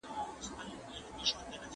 سياسي سيالۍ تر پخوا زياتي تېزي سوي دي.